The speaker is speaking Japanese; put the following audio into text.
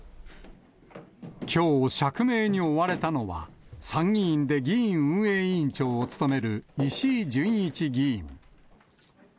きょう、釈明に追われたのは、参議院で議院運営委員長を務める石井準一議員。